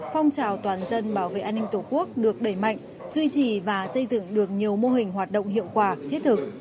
phong trào toàn dân bảo vệ an ninh tổ quốc được đẩy mạnh duy trì và xây dựng được nhiều mô hình hoạt động hiệu quả thiết thực